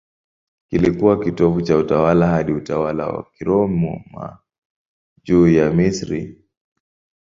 Kilikuwa kitovu cha utawala hadi utawala wa Kiroma juu ya Misri.